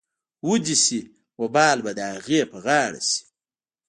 وې دې سي وبال به د اغې په غاړه شي.